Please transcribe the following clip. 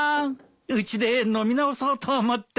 うちで飲み直そうと思って。